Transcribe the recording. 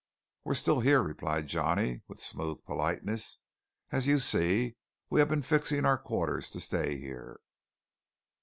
"We are still here," replied Johnny with smooth politeness. "As you see, we have been fixing our quarters to stay here."